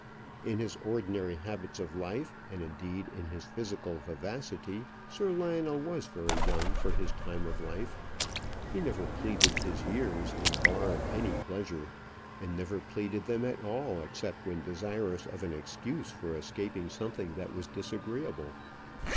In his ordinary habits of life, and, indeed, in his physical vivacity, Sir Lionel was very young for his time of life. He never pleaded his years in bar of any pleasure, and never pleaded them at all except when desirous of an excuse for escaping something that was disagreeable.